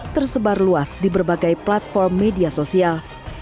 tersebar luas di berbagai platform media sosial